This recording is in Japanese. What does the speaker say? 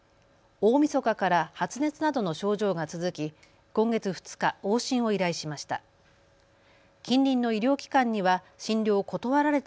大みそかから発熱などの症状が続き今月２日往診を依頼しました。